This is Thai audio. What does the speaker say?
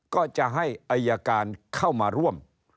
ก็จะให้อายการเข้ามาร่วม